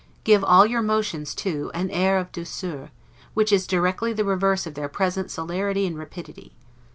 Give all your motions, too, an air of 'douceur', which is directly the reverse of their present celerity and rapidity.